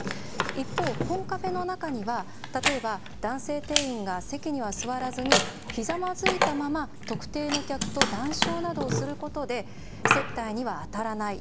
一方、コンカフェの中には例えば男性店員が席には座らずにひざまづいたまま特定の客と談笑などをすることで接待にはあたらない。